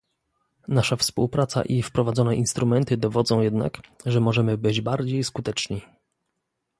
Nasza współpraca i wprowadzone instrumenty dowodzą jednak, że możemy być bardziej skuteczni